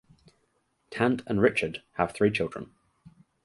Tant and Richard have three children.